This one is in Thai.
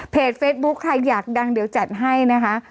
เฟซบุ๊คใครอยากดังเดี๋ยวจัดให้นะคะ